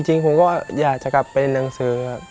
จริงผมก็อยากจะกลับไปเรียนหนังสือครับ